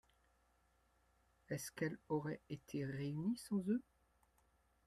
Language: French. Est-ce qu’elle aurait été réunie sans eux ?